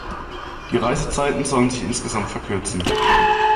Die Reisezeiten sollen sich insgesamt verkürzen.